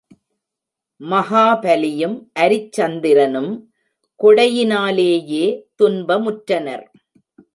மகாபலியும் அரிச்சந்திரனும் கொடையினாலேயே துன்பமுற்றனர்.